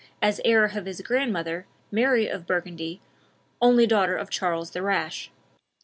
as heir of his grandmother, Mary of Burgundy, only daughter of Charles the Rash.